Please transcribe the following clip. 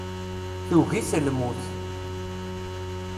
Tugi-t lmut.